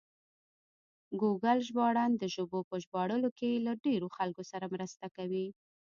ګوګل ژباړن د ژبو په ژباړلو کې له ډېرو خلکو سره مرسته کوي.